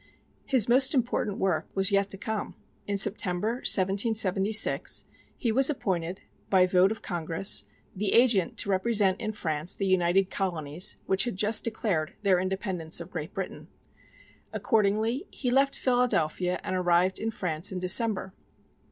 His most important work was yet to come. In September, 1776, he was appointed, by vote of Congress, the agent to represent in France the united Colonies, which had just declared their independence of Great Britain. Accordingly, he left Philadelphia and arrived in France in December.